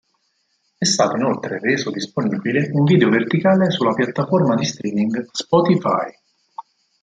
È stato inoltre reso disponibile un video verticale sulla piattaforma di streaming Spotify.